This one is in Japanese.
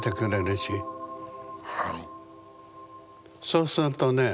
そうするとね